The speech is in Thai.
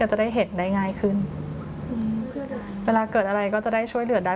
จะได้เห็นได้ง่ายขึ้นเวลาเกิดอะไรก็จะได้ช่วยเหลือได้